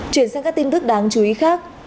chuyển sang các tin tức đáng chú ý khác